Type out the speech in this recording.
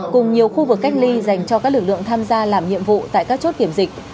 cùng nhiều khu vực cách ly dành cho các lực lượng tham gia làm nhiệm vụ tại các chốt kiểm dịch